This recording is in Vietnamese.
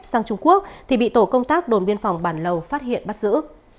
sang trung quốc thì bị tổ công tác đồn biên phòng bản lầu phát hiện bắt giữ